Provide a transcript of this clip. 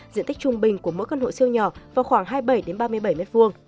diện tích trung bình của mỗi căn hộ siêu nhỏ vào khoảng hai mươi bảy ba mươi bảy m hai